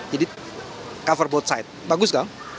jadi cover both side bagus kan